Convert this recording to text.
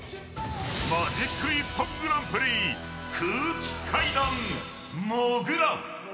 マジック一本グランプリ空気階段、もぐら。